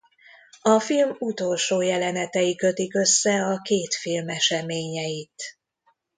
A film utolsó jelenetei kötik össze a két film eseményeit.